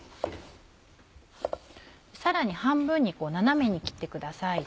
さらに半分に斜めに切ってください。